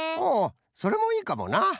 ほうそれもいいかもな。